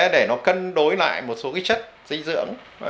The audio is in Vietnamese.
để nó cân đối lại một số chất dị dưỡng